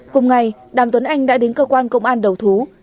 cùng ngày đàm tuấn anh đã đến cơ quan công an đầu thú